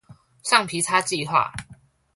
橡皮擦計畫